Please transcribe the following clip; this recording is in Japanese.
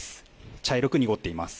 茶色く濁っています。